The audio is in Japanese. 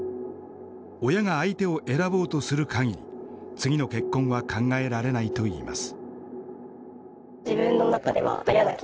親が相手を選ぼうとする限り次の結婚は考えられないといいます。